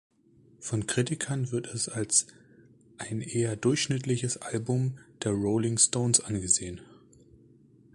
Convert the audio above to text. Von Kritikern wird es als ein eher durchschnittliches Album der Rolling Stones angesehen.